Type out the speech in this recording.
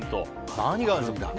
何があるんだろ？